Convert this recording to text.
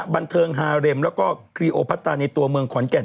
บันเทิงฮาเร็มแล้วก็ครีโอพัตตาในตัวเมืองขอนแก่น